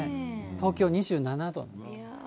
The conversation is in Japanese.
東京２７度。